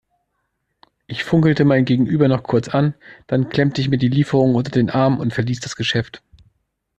Ich funkelte mein Gegenüber noch kurz an, dann klemmte ich mir die Lieferung unter den Arm und verließ das Geschäft.